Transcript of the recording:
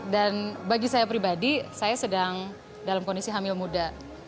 dan bagi saya pribadi saya sedang dalam kondisi hamil muda